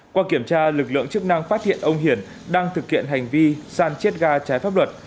qua kiểm tra lực lượng chức năng phát hiện ông hiển đang thực hiện hành vi san chiết ga trái pháp luật